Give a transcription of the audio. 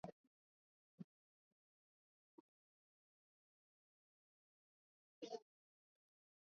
Nitashinda hii vita na yote yatakwisha